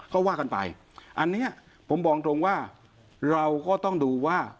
ก็ว่ากันไปอันนี้ผมบอกตรงว่าเราก็ต้องดูว่า